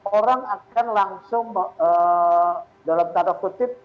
orang akan langsung dalam tanda kutip